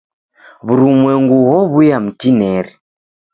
W'urumwengu ghow'uya mtinineri.